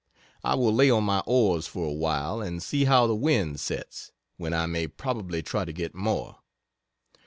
I will lay on my oars for awhile, and see how the wind sets, when I may probably try to get more.